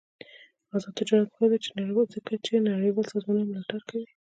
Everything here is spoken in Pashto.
آزاد تجارت مهم دی ځکه چې نړیوال سازمانونه ملاتړ کوي.